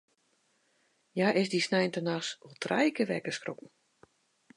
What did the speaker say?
Hja is dy sneintenachts wol trije kear wekker skrokken.